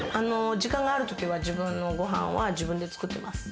時間があるときは自分のご飯は自分で作ってます。